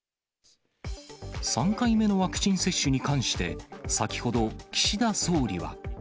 ３回目のワクチン接種に関して先ほど、岸田総理は。